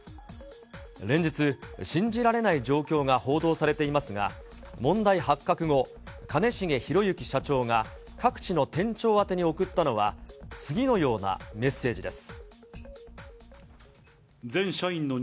連日、信じられない状況が報道されていますが、問題発覚後、兼重宏行社長が各地の店長宛てに送ったのは、次のようなメッセージです。